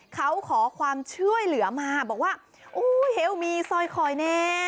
เขาขอความช่วยเหลือมาบอกว่าโอ้เหวมีซอยคอยแน่